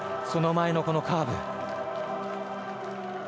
その前のカーブ。